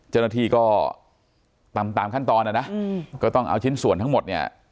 เจ้าหน้าที่ก็ตามตามขั้นตอนนะนะก็ต้องเอาชิ้นส่วนทั้งหมดเนี่ย